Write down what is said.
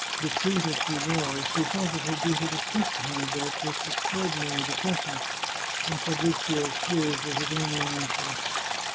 Discreet as she was, she felt it her duty to speak to him about his extraordinary depression, and Fabrizio's tears were his only answer.